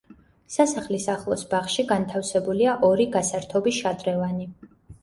სასახლის ახლოს ბაღში განთავსებულია ორი გასართობი შადრევანი.